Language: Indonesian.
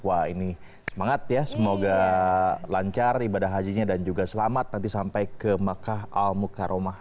wah ini semangat ya semoga lancar ibadah hajinya dan juga selamat nanti sampai ke makkah al mukaromah